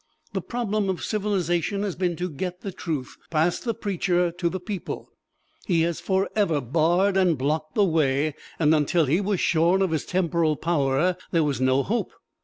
The problem of civilization has been to get the truth past the preacher to the people: he has forever barred and blocked the way, and until he was shorn of his temporal power there was no hope.